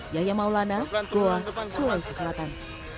yahya maulana goa sulawesi selatan